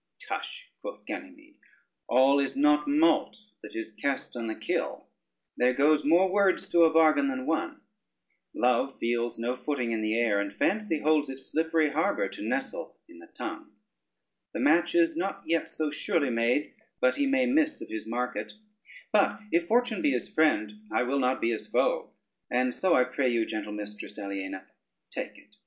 "Tush," quoth Ganymede, "all is not malt that is cast on the kiln: there goes more words to a bargain than one: Love feels no footing in the air, and fancy holds it slippery harbor to nestle in the tongue: the match is not yet so surely made, but he may miss of his market; but if fortune be his friend, I will not be his foe: and so I pray you, gentle mistress Aliena, take it."